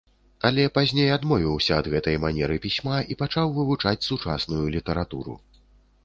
Але пазней адмовіўся ад гэтай манеры пісьма і пачаў вывучаць сучасную літаратуру.